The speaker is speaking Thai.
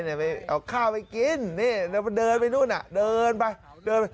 ไปเอาข้าวมากว่าไปกินเดินไปนี่แหละเดินไป